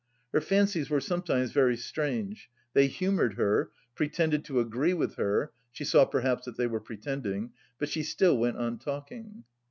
Her fancies were sometimes very strange. They humoured her, pretended to agree with her (she saw perhaps that they were pretending), but she still went on talking.